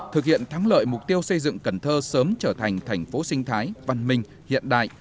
thực hiện thắng lợi mục tiêu xây dựng cần thơ sớm trở thành thành phố sinh thái văn minh hiện đại